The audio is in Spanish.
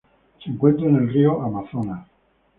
Se encuentra en el río Amazonas.